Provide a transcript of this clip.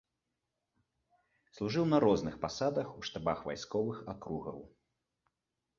Служыў на розных пасадах у штабах вайсковых акругаў.